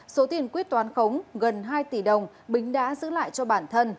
số tiền quyết toán khống gần hai tỷ đồng bính đã giữ lại cho bản thân